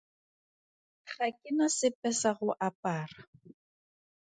Ga ke na sepe sa go apara.